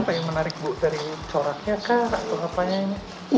apa yang menarik bu dari coraknya kah atau apaan ini